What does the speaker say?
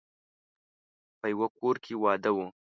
په يوه کور کې واده و.